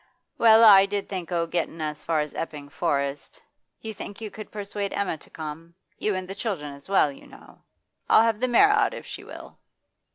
'Well, I did think o' gettin' as far as Epping Forest. D'you think you could persuade Emma to come? you and the children as well, you know. I'll have the mare out if she will.